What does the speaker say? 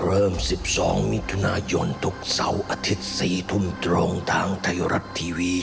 เริ่ม๑๒มิถุนายนทุกเสาร์อาทิตย์๔ทุ่มตรงทางไทยรัฐทีวี